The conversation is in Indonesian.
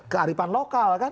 kearifan lokal kan